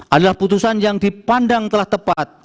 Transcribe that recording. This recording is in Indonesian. adalah putusan yang dipandang telah tepat